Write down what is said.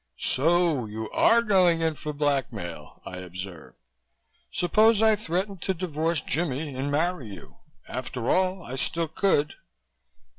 "So you are going in for blackmail," I observed. "Suppose I threatened to divorce Jimmie and marry you. After all, I still could."